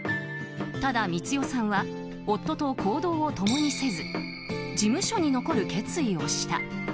ただ、光代さんは夫と行動を共にせず事務所に残る決意をした。